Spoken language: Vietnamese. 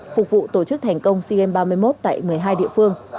phục vụ tổ chức thành công sigen ba mươi một tại một mươi hai địa phương